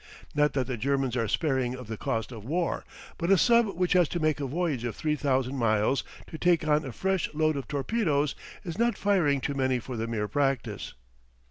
Not that the Germans are sparing of the cost of war, but a sub which has to make a voyage of three thousand miles to take on a fresh load of torpedoes is not firing too many for the mere practice.